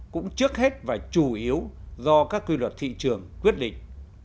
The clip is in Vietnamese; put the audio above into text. cũng trước hết và chủ yếu do các quy luật thị trường quyết định